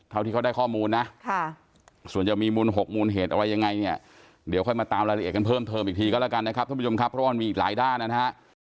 เท่าที่เขาได้ข้อมูลนะส่วนจะมีมูล๖มูลเหตุอะไรยังไงเนี่ยเดี๋ยวค่อยมาตามรายละเอียดกันเพิ่มเทิมอีกทีก็แล้วกันนะครับท่านผู้ชมครับเพราะว่ามันมีอีกหลายด้านนะฮะ